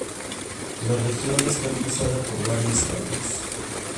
La región está cruzada por varias fallas.